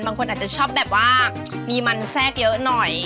บางคนอาจจะชอบแบบว่ามีมันแทรกเยอะหน่อย